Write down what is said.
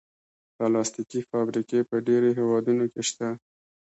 پلاستيکي فابریکې په ډېرو هېوادونو کې شته.